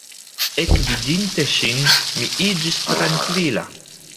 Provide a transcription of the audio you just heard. Ekvidinte ŝin, mi iĝis trankvila.